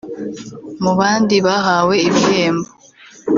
Mu bandi bahawe ibihembo